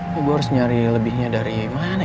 gue harus nyari lebihnya dari mana ya